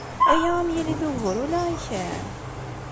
Aya ad am-yili d ugur ula i kemm?